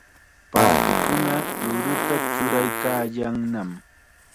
Paatukuna ruruta churaykaayannam.